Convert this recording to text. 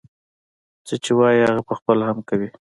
څه چې وايي هغه پخپله هم کوي.